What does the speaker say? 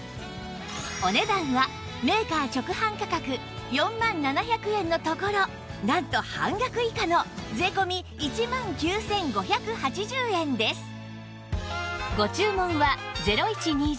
お値段はメーカー直販価格４万７００円のところなんと半額以下の税込１万９５８０円です